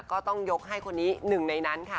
ก็ต้องยกให้คนนี้หนึ่งในนั้นค่ะ